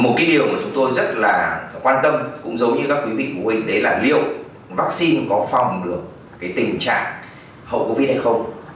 một cái điều mà chúng tôi rất là quan tâm cũng giống như các quý vị mô hình đấy là liệu vaccine có phòng được cái tình trạng hậu covid hay không